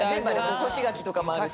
干し柿とかもあるし。